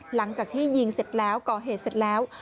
หลังจากที่ยิงเสร็จแล้วก่อเหตุเสร็จแล้ว